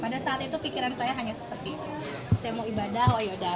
pada saat itu pikiran saya hanya seperti saya mau ibadah oh yaudah